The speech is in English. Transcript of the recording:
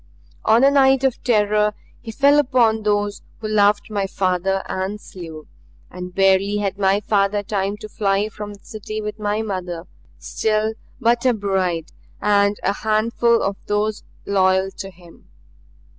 On a night of terror he fell upon those who loved my father and slew; and barely had my father time to fly from the city with my mother, still but a bride, and a handful of those loyal to him.